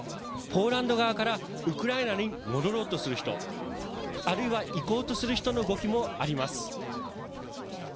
ポーランド側からウクライナに戻ろうとする人、あるいは行こうとする人の動きもあります。